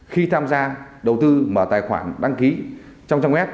khi tham gia đầu tư mở tài khoản đăng ký trong web